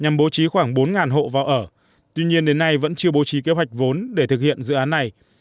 nhằm bố trí khoảng bốn hộ vào ở tuy nhiên đến nay vẫn chưa bố trí kế hoạch vốn để thực hiện dự án này